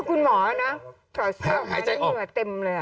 กล้องกว้างอย่างเดียว